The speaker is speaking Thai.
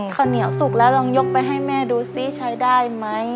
ข้าวเหนียวสุกแล้วลองยกไปให้แม่ดูซิใช้ได้ไหม